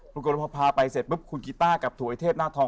ก็กับพ่อเขาไปเสร็จคุณกิต้ากับกลุ่นเทพหน้าทอง